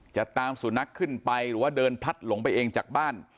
จะตามสุนัขขึ้นไปหรือว่าเดินพลัดหลงไปเองจากบ้าน